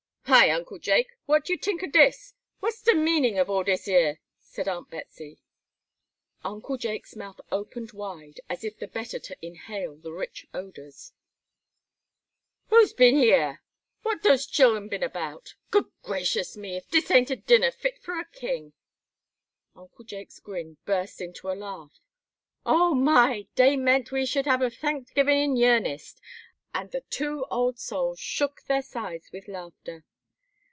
"Hi, Uncle Jake, what you tink o' dis? what's de meanin' of all dis yer?" said Aunt Betsey. Uncle Jake's mouth opened wide, as if the better to inhale the rich odors. [Illustration: "WHAT DOSE CHILLEN BIN ABOUT?"] "Who's bin hiyar? What dose chillen bin about? Good gracious me! if dis ain't a dinner fit fur a king." Uncle Jake's grin burst into a laugh. "Oh my! dey meant we should hab a Tanksgivin' in yearnest;" and the two old souls shook their sides with laughter.